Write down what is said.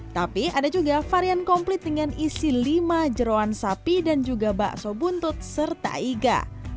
tapi ada juga varian komplit dengan isi lima jerawan sapi dan juga bakso buntut serta iga